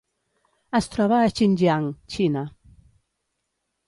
Es troba a Xinjiang, Xina.